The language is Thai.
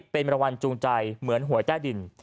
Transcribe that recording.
เป็นรางวัลจูงใจเหมือนหวยใต้ดิน